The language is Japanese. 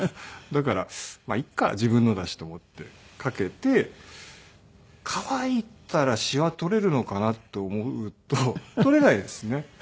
だからまあいいか自分のだしと思って掛けて乾いたらシワ取れるのかなと思うと取れないですね。